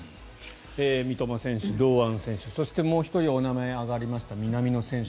三笘選手、堂安選手そしてもう１人お名前が挙がった南野選手